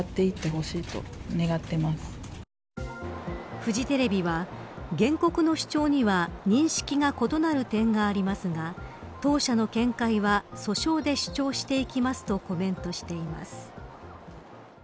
フジテレビは原告の主張には認識が異なる点がありますが当社の見解は訴訟で主張していきますとコメントしています。